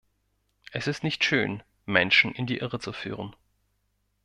Es ist nicht schön, Menschen in die Irre zu führen.